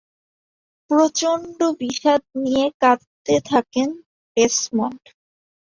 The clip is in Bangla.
প্রচণ্ড বিষাদ নিয়ে কাঁদতে থাকেন ডেসমন্ড।